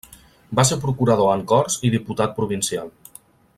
Va ser Procurador en Corts i diputat provincial.